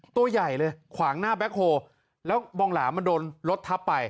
ตัวใหญ่เลยขวางหน้าแบ็คโฮแล้วบองหลามมันโดนรถทับไป